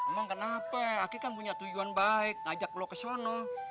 emang kenapa aki kan punya tujuan baik ngajak lo ke sana